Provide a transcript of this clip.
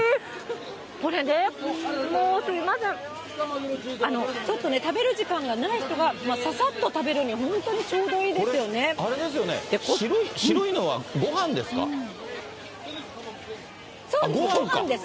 これね、もうすみません、ちょっとね、食べる時間がない人がささっと食べるには、本当にちょうどいいでこれ、あれですよね、白いのそうです、ごはんです。